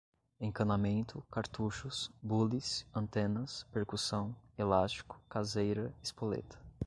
encanamento, cartuchos, bules, antenas, percussão, elástico, caseira, espoleta